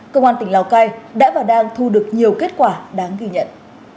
công an tỉnh lào cai đã và đang thu được nhiều kết quả đáng ghi nhận